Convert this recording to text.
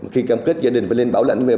khi cam kết gia đình phải lên bảo lãnh